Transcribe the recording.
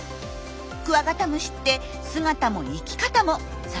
クワガタムシって姿も生き方もさまざまなんです。